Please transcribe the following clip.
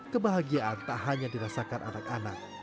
kebahagiaan tak hanya dirasakan anak anak